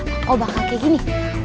aku bakal kayak gini